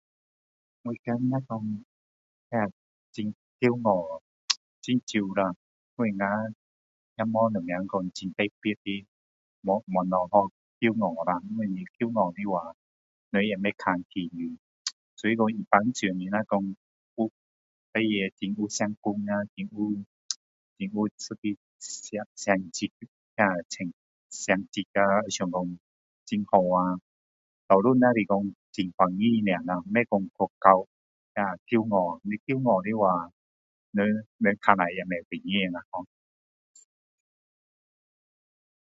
我怕那说，很骄傲，很少啦。因为我们也没什么讲有什么特別的，沒物 [har]骄傲的，因为你骄傲的话人也看不起你，所以一般来说，有事情很有成功啊，很有一个成绩啊，好像说很好啊，多数那是说很欢喜呢咯。不说讲到骄傲啦，你骄傲的话，人看了也不舒服啊[har]。